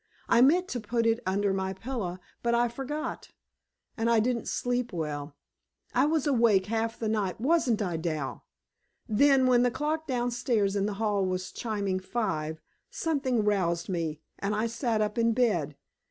I meant to put it under my pillow, but I forgot. And I didn't sleep well; I was awake half the night. Wasn't I, Dal? Then, when the clock downstairs in the hall was chiming five, something roused me, and I sat up in bed.